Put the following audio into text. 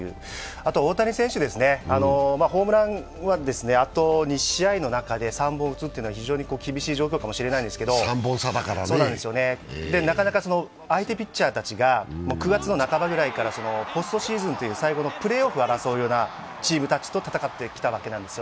あと大谷選手、ホームランはあと２試合の中で３本打つというのは非常に厳しい状況かもしれないんですけど、なかなか相手ピッチャーたちが９月の半ばぐらいからポストシーズンという、最後のプレーオフを争うようなチームと戦ってきたわけです。